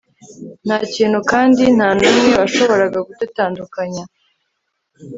ntakintu kandi ntanumwe washoboraga kudutandukanya